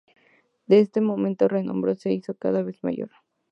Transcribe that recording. Desde este momento su renombre se hizo cada vez mayor.